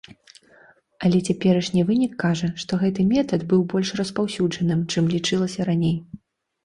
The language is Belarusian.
Але цяперашні вынік кажа, што гэты метад быў больш распаўсюджаным, чым лічылася раней.